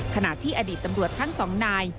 ขณะที่อดีตตำรวจทั้งสองนาย